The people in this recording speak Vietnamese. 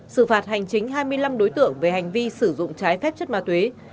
xử phạt hành chính hai mươi năm đối tượng về hành vi sử dụng trái phép chất ma túy